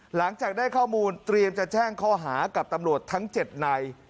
หลังจากได้ข้อมูลเตรียมจะแจ้งข้อหากับตำรวจทั้ง๗นาย